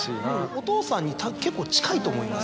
お父さんに結構近いと思います。